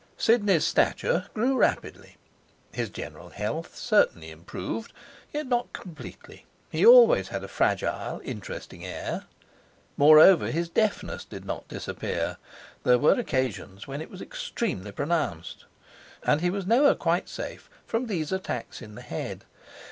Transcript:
Sidney's stature grew rapidly; his general health certainly improved, yet not completely; he always had a fragile, interesting air. Moreover, his deafness did not disappear: there were occasions when it was extremely pronounced. And he was never quite safe from these attacks in the head.